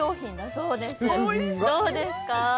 どうですか？